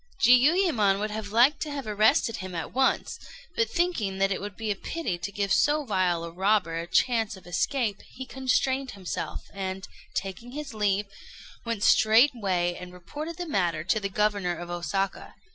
Jiuyémon would have liked to have arrested him at once; but thinking that it would be a pity to give so vile a robber a chance of escape, he constrained himself, and, taking his leave, went straightway and reported the matter to the Governor of Osaka.